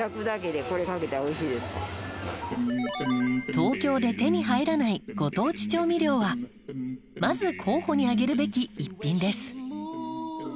東京で手に入らないご当地調味料はまず候補に挙げるべき一品です。